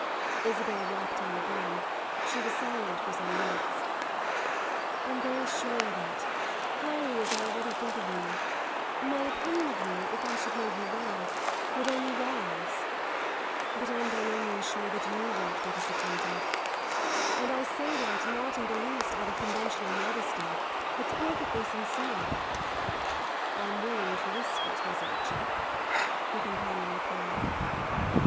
Isabel walked on again; she was silent for some minutes. "I'm very sure that, highly as I already think of you, my opinion of you, if I should know you well, would only rise. But I'm by no means sure that you wouldn't be disappointed. And I say that not in the least out of conventional modesty; it's perfectly sincere." "I'm willing to risk it, Miss Archer," her companion replied.